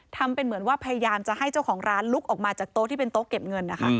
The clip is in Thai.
ทำเป็นเหมือนว่าพยายามจะให้เจ้าของร้านลุกออกมาจากโต๊ะที่เป็นโต๊ะเก็บเงินนะคะ